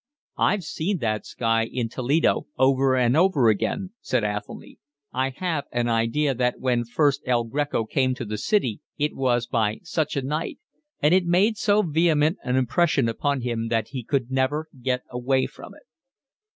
"I've seen that sky in Toledo over and over again," said Athelny. "I have an idea that when first El Greco came to the city it was by such a night, and it made so vehement an impression upon him that he could never get away from it."